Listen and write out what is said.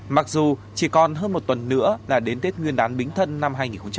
mặc dù chỉ còn hơn một tuần nữa là đến tết nguyên đán bính thân năm hai nghìn hai mươi